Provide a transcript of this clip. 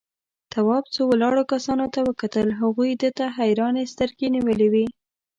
تواب څو ولاړو کسانو ته وکتل، هغوی ده ته حيرانې سترگې نيولې وې.